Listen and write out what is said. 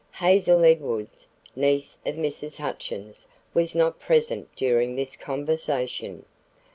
Hazel Edwards, niece of Mrs. Hutchins, was not present during this conversation.